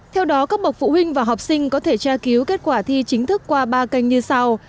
theo đó các bậc phụ huynh và học sinh có thể tra cứu kết quả thi chính thức qua ba kênh như sau